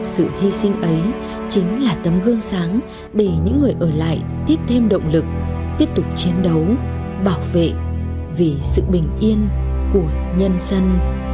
sự hy sinh ấy chính là tấm gương sáng để những người ở lại tiếp thêm động lực tiếp tục chiến đấu bảo vệ vì sự bình yên của nhân dân